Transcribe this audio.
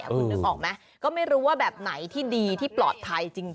คุณนึกออกไหมก็ไม่รู้ว่าแบบไหนที่ดีที่ปลอดภัยจริง